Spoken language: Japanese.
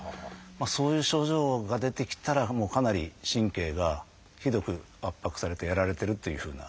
そういう症状が出てきたらもうかなり神経がひどく圧迫されてやられてるっていうふうな。